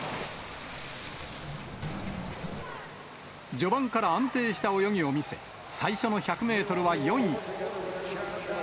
序盤から安定した泳ぎを見せ、最初の１００メートルは４位。